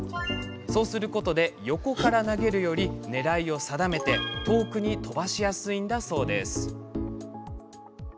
そうすることで横から投げるより狙いを定めて遠くに飛ばしやすいんだそうです。